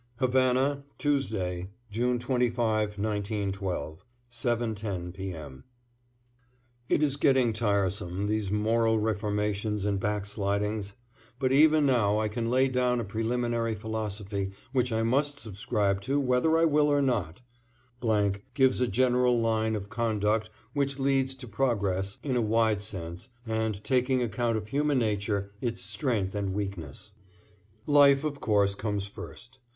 =Havana, Tuesday, June 25, 1912, 7:10 P. M.= It is getting tiresome, these moral reformations and back slidings. But even now I can lay down a preliminary philosophy which I must subscribe to whether I will or not .... gives a general line of conduct which leads to progress in a wide sense and taking account of human nature, its strength and weakness. Life, of course, comes first.